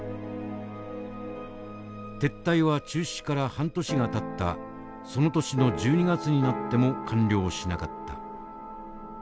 撤退は中止から半年がたったその年の１２月になっても完了しなかった。